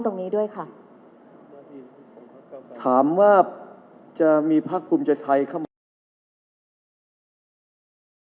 ตรงนี้ด้วยค่ะถามว่าจะมีพักภูมิใจไทย